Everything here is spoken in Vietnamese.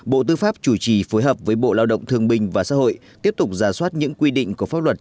bộ tư pháp chủ trì phối hợp với bộ lao động thương bình và xã hội tiếp tục giả soát những quy định của pháp luật